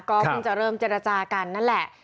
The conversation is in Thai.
ก็เพิ่งจะเริ่มเจรจากันนั่นแหละ